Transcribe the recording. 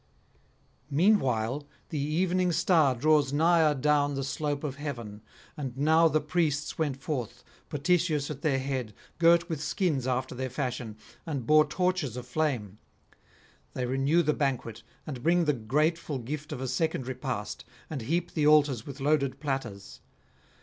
Meanwhile the evening star draws nigher down the slope of heaven, and now the priests went forth, Potitius at their head, girt with skins after their fashion, and bore torches aflame. They renew the banquet, and bring the grateful gift of a second repast, and heap the altars with loaded platters.